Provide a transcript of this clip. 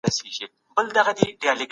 د حج په مابينځ کي مي خپله کيسې پوره کړې.